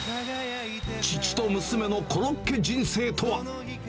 父と娘のコロッケ人生とは。